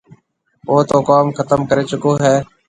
او تو ڪوم ختم ڪريَ چڪو هيَ۔